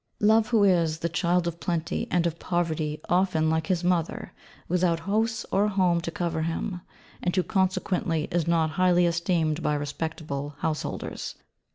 Love, who is 'the child of plenty and of poverty, often, like his mother, without house or home to cover him' (and who consequently is not highly esteemed by respectable householders).